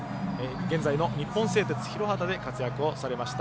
現在の日本製鉄広畑で活躍をされました